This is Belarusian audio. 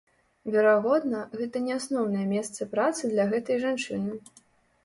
Верагодна, гэта не асноўнае месца працы для гэтай жанчыны.